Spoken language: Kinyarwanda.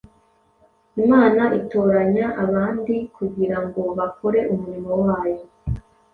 Imana itoranya abandi kugira ngo bakore umurimo wayo.